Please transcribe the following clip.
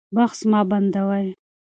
بحث مه بندوئ.